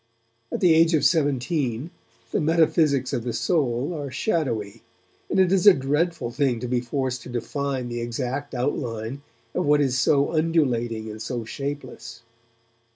At the age of seventeen, the metaphysics of the soul are shadowy, and it is a dreadful thing to be forced to define the exact outline of what is so undulating and so shapeless.